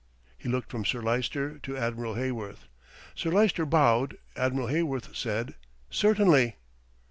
He looked from Sir Lyster to Admiral Heyworth. Sir Lyster bowed, Admiral Heyworth said, "Certainly."